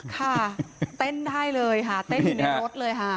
ค่ะเต้นได้เลยค่ะเต้นอยู่ในรถเลยค่ะ